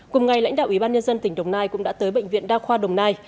cùng ngày lãnh đạo ủy ban nhân dân tỉnh đồng nai cũng đã tới bệnh viện đa khoa đồng nai